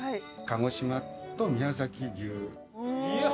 鹿児島と宮崎牛。